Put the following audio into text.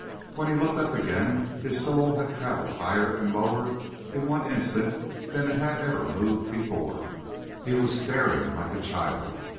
When he looked up again his soul had traveled higher and lower in one instant than it had ever moved before; he was staring like a child.